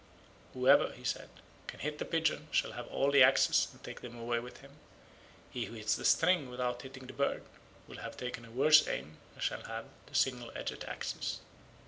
"Whoever," he said, "can hit the pigeon shall have all the axes and take them away with him; he who hits the string without hitting the bird will have taken a worse aim and shall have the single edged axes."